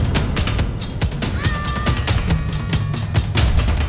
satu dua tiga